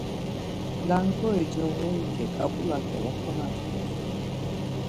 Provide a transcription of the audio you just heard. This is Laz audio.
Langoni coğoriti ǩap̌ula ǩele konatxozu.